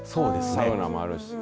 サウナもあるし。